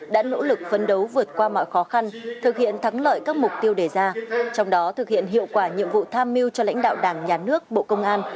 đã nỗ lực phấn đấu vượt qua mọi khó khăn thực hiện thắng lợi các mục tiêu đề ra trong đó thực hiện hiệu quả nhiệm vụ tham mưu cho lãnh đạo đảng nhà nước bộ công an